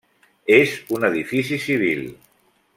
És un edifici civil.